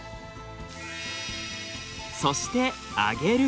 そして揚げる。